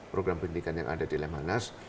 program pendidikan yang ada di lemhanas